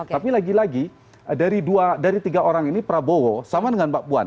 tapi lagi lagi dari tiga orang ini prabowo sama dengan mbak puan